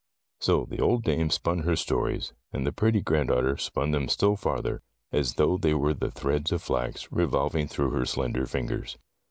So the old dame spun her stories, and the pretty grand daughter spun them still farther, as though they were the threads of flax revolving through her slender fingers.